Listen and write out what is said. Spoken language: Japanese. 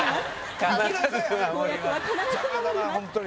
邪魔だなあ本当に。